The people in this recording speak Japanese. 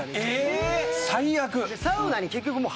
最悪！